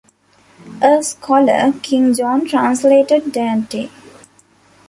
A scholar, King John translated Dante.